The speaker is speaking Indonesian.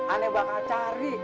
aneh bakal cari